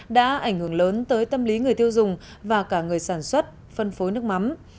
đã ảnh hưởng lớn tới tâm lý người tiêu dùng và cả người sản xuất phân phối nước mắm